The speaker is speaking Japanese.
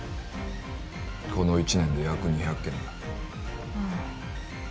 この１年で約２００件だああ